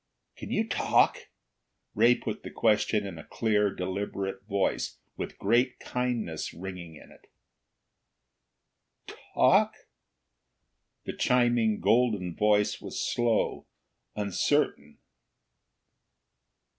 "Can you talk?" Ray put the question in a clear, deliberate voice, with great kindness ringing in it. "Talk?" The chiming, golden voice was slow, uncertain.